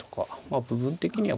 まあ部分的には。